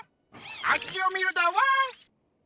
あっちをみるだワン！